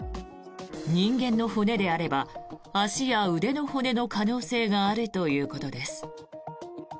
人間の骨であれば、足や腕の骨の可能性があるということです。